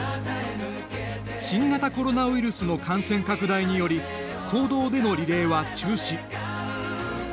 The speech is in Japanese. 新型コロナウイルスの感染拡大により公道でのリレーは中止。